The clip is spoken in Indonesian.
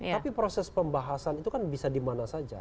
tapi proses pembahasan itu kan bisa dimana saja